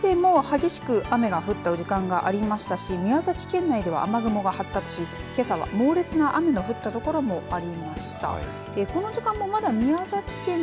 ただ、宮崎市でも激しく雨が降った時間がありましたし宮崎県内では雨雲が発達しけさは猛烈な雨が降ったところもありました。